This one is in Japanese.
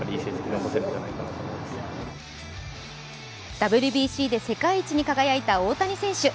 ＷＢＣで世界一に輝いた大谷選手。